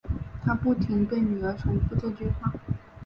她不停对女儿重复这句话